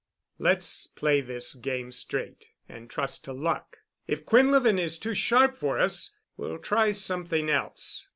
Let's play this game straight and trust to luck. If Quinlevin is too sharp for us we'll try something else.